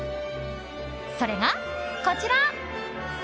それが、こちら。